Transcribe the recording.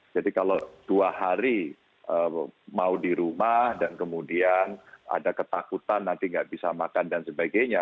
jadi kalau dua hari mau di rumah dan kemudian ada ketakutan nanti nggak bisa makan dan sebagainya